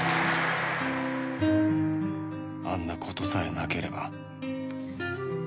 あんな事さえなければ